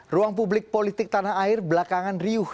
ruang publik politik tanah air belakangan riuh